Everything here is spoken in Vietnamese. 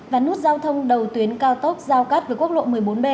và nút giao thông đầu tuyến cao tốc giao cắt với quốc lộ một mươi bốn b